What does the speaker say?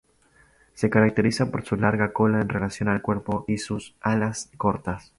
Se caracteriza por su larga cola en relación al cuerpo y sus alas cortas.